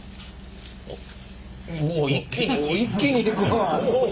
お一気にいくな。